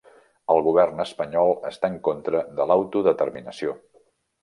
El govern espanyol està en contra de l'autodeterminació